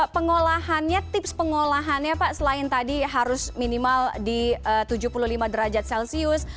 pengolahannya tips pengolahannya pak selain tadi harus minimal di tujuh puluh lima derajat celcius